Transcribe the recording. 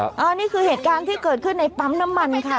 อันนี้คือเหตุการณ์ที่เกิดขึ้นในปั๊มน้ำมันค่ะ